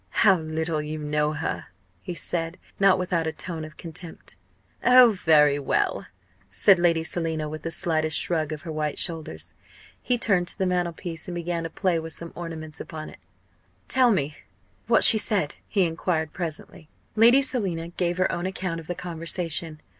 "How little you know her!" he said, not without a tone of contempt. "Oh! very well," said Lady Selina, with the slightest shrug of her white shoulders. He turned to the mantelpiece and began to play with some ornaments upon it. "Tell me what she said," he enquired presently. Lady Selina gave her own account of the conversation.